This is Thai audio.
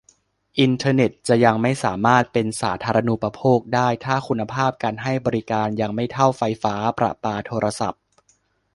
อินเทอร์เน็ตจะยังไม่สามารถเป็น 'สาธารณูปโภค' ได้ ถ้าคุณภาพการให้บริการยังไม่เท่าไฟฟ้าประปาโทรศัพท์